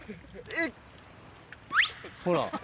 えっ？ほら。